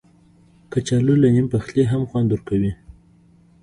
کچالو له نیم پخلي هم خوند ورکوي